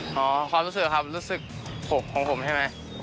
ขอความรู้สึกครับรู้สึกหกของผมใช่ไหม